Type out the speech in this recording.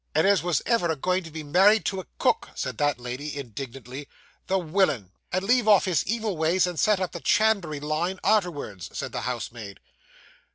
'And as was ever a going to be married to a cook,' said that lady indignantly. 'The willin!' 'And leave off his evil ways, and set up in the chandlery line arterwards,' said the housemaid.